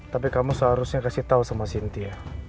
tapi kamu seharusnya kasih tahu sama sintia